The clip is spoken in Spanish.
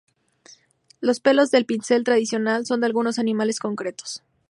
Los pelos del pincel tradicional son de algunos animales concretos.